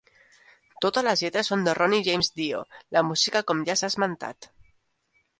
Totes les lletres són de Ronnie James Dio; la música com ja s'ha esmentat.